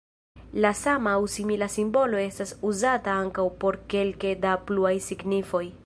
La sama aŭ simila simbolo estas uzata ankaŭ por kelke da pluaj signifoj.